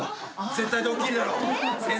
絶対ドッキリだろ。